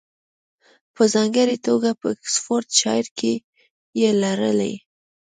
په ځانګړې توګه په اکسفورډشایر کې یې لرلې